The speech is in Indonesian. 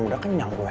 udah kenyang gue